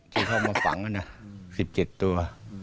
๑๗ที่เขามาฝังนะสิบเจ็ดตัว